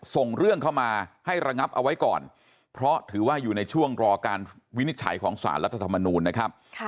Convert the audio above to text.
ส่งเรื่องเข้ามาให้ระงับเอาไว้ก่อนเพราะถือว่าอยู่ในช่วงรอการวินิจฉัยของสารรัฐธรรมนูลนะครับ